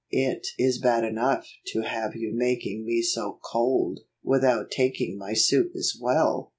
It is bad enough to have you making me so cold, without taking my soup as well."